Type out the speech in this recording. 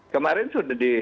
kemarin sudah di